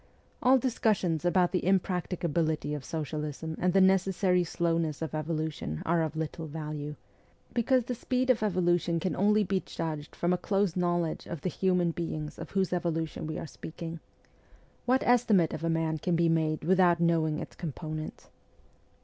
All discussions about the impracticability of socialism and the necessary slowness of evolution are of little value, because the speed of evolution can only be judged from a close knowledge of the human beings of whose evolution we are speaking. What estimate of a sum can be made without knowing its components